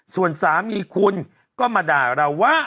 ส่วนสามีคุณก็มาด่าเราว่า